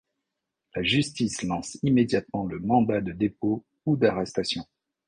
La justice lance immédiatement le mandat de dépôt ou d’arrestation.